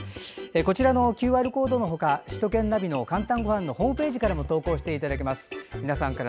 こちらのＱＲコードの他首都圏ナビの「かんたんごはん」のホームページからも投稿していただけます。